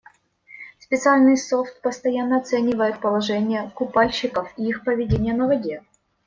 Специальный софт постоянно оценивает положение купальщиков и их поведение на воде.